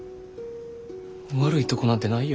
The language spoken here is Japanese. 悪いとこなんてないよ。